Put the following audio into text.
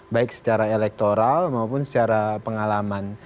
baik secara elektoral maupun secara pengalaman